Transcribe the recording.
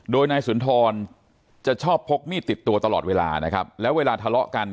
โดยนายสุนทรจะชอบพกมีดติดตัวตลอดเวลานะครับแล้วเวลาทะเลาะกัน